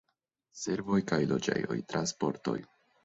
Servoj kaj loĝejoj, transportoj.